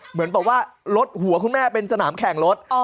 เหมือนบอกว่ารถหัวคุณแม่เป็นสนามแข่งรถ